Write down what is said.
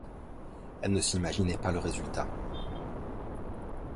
elle ne s'imaginait pas le résultat.